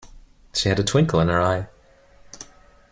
She had a twinkle in her eye.